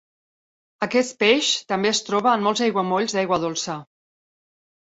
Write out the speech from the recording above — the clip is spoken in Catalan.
Aquest peix també es troba en molts aiguamolls d'aigua dolça.